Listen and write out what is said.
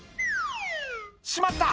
「しまった！